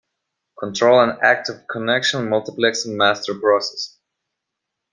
Control an active connection multiplexing master process.